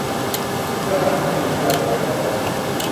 เธอหันมาทางหญิงชราด้วยการขอร้อง